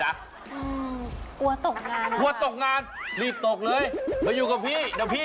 คุณค่ะคุณค่ะนะ